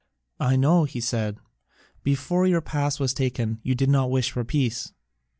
"I know," he said, "before your pass was taken you did not wish for peace.